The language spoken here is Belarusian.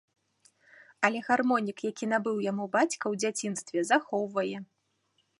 Але гармонік, які набыў яму бацька ў дзяцінстве, захоўвае.